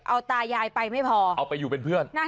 เอาตะยายไปไม่พอนั้นสิฮะเอาไปอยู่เป็นเพื่อน